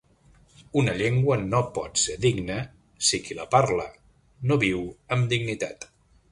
Una llengua no pot ser digna si qui la parla no viu amb dignitat.